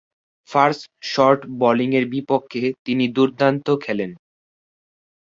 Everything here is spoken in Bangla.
ফাস্ট শর্ট বোলিংয়ের বিপক্ষে তিনি দূর্দান্ত খেলেন।